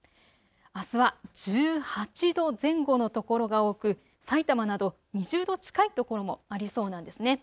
あすは１８度前後の所が多くさいたまなど２０度近い所もありそうなんですね。